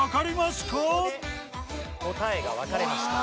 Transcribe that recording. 答えが分かれました。